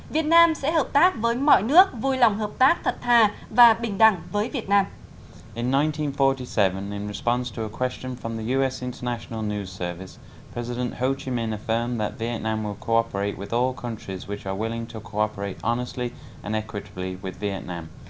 việt nam sẽ hợp tác với mọi nước vui lòng hợp tác thật thà và bình đẳng với việt nam